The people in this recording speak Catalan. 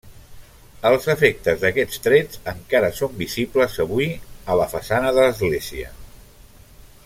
Els efectes d'aquests trets encara són visibles avui a la façana de l'església.